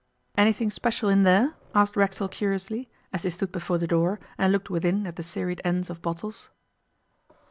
'Anything special in there?' asked Racksole curiously, as they stood before the door, and looked within at the seined ends of bottles.